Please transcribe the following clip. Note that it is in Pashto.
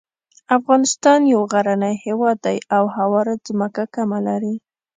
افغانستان یو غرنی هیواد دی او هواره ځمکه کمه لري.